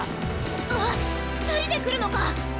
わっ２人で来るのか！